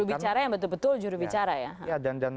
juru bicara yang betul betul juru bicara ya